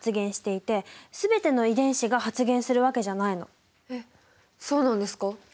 実はえっそうなんですか？